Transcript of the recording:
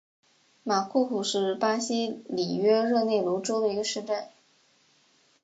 马库库是巴西里约热内卢州的一个市镇。